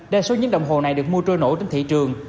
đa số những đồng hồ này được mua trôi nổi trên thị trường